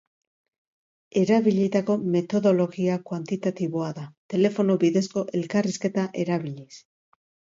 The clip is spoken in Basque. Erabilitako metodologia kuantitatiboa da, telefono bidezko elkarrizketa erabiliz.